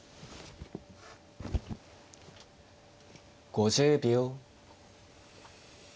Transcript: ５０秒。